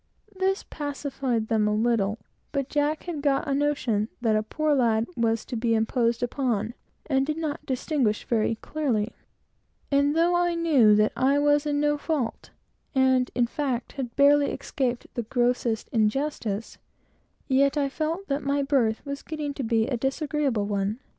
This pacified them a little, but Jack had got a notion that a poor lad was to be imposed upon, and did not distinguish very clearly; and though I knew that I was in no fault, and, in fact, had barely escaped the grossest injustice, yet I felt that my berth was getting to be a disagreeable one.